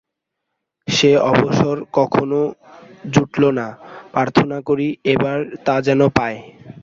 সে অবসর কখনও জুটল না! প্রার্থনা করি, এবার তা যেন পাই।